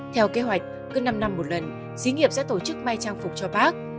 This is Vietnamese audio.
theo kế hoạch cứ năm năm một lần dĩ nghiệp sẽ tổ chức mai trang phục cho bác